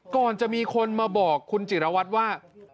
ก่อนจะมีคนมาบอกคุณจิรวัตรว่า